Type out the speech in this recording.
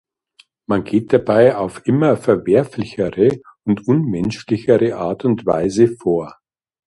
Man geht dabei auf immer verwerflichere und unmenschlichere Art und Weise vor.